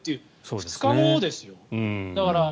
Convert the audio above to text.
２日後ですよ。